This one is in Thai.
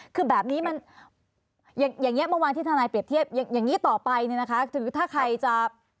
คือแบบนี้มันอย่างเงี้เมื่อวานที่ทนายเปรียบเทียบอย่างนี้ต่อไปเนี่ยนะคะถือถ้าใครจะ